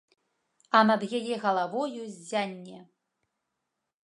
А над яе галавою ззянне.